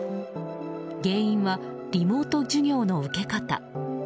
原因はリモート授業の受け方。